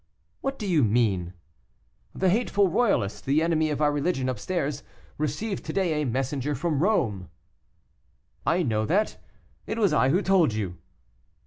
"What do you mean?" "The hateful royalist, the enemy of our religion upstairs, received to day a messenger from Rome." "I know that: it was I who told you."